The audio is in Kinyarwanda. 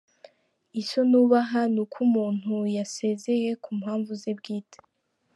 Icyo nubaha nuko umuntu yasezeye ku mpamvu ze bwite.